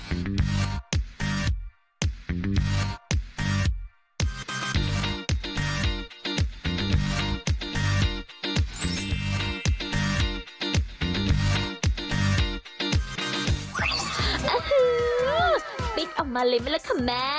อฮู้ปิ๊กออกมาเลยไหมละคะแม่